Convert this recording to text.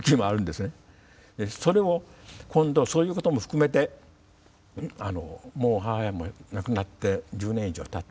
それを今度そういうことも含めてもう母親も亡くなって１０年以上たった。